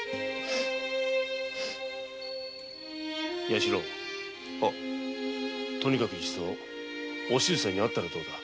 弥四郎とにかく一度お静さんに会ったらどうだ？